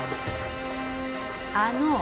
あの！